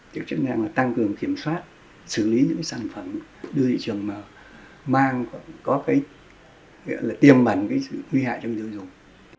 chức năng tăng cường kiểm soát xử lý những sản phẩm đưa thị trường mang có tiềm bẩn sự nguy hại cho người tiêu dùng